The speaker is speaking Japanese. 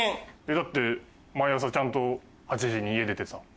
だって毎朝ちゃんと８時に家出てさ。